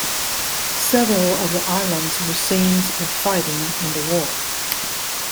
Several of the islands were scenes of fighting in the war.